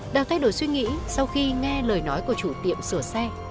đang thay đổi suy nghĩ sau khi nghe lời nói của chủ tiệm sửa xe